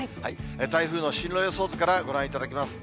台風の進路予想図からご覧いただきます。